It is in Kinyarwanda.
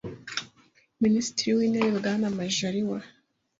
Minisitiri w’intebe bwana Majaliwa